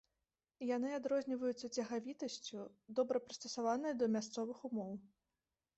Яны адрозніваюцца цягавітасцю, добра прыстасаваныя да мясцовых умоў.